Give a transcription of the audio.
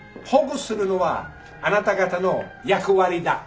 保護するのはあなた方の役割だ。